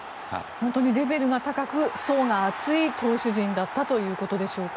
レベルが高く、層が厚い投手陣だったということでしょうか。